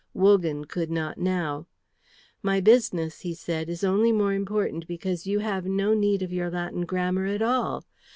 Wogan could not now. "My business," he said, "is only more important because you have no need of your Latin grammar at all.